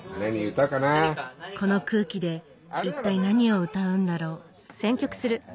この空気で一体何を歌うんだろう？